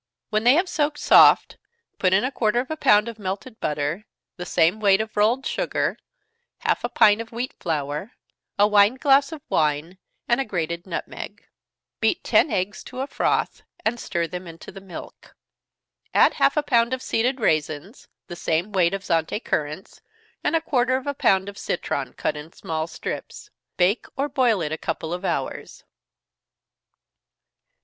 When they have soaked soft, put in a quarter of a pound of melted butter, the same weight of rolled sugar, half a pint of wheat flour, a wine glass of wine, and a grated nutmeg. Beat ten eggs to a froth, and stir them into the milk. Add half a pound of seeded raisins, the same weight of Zante currants, and a quarter of a pound of citron, cut in small strips. Bake or boil it a couple of hours.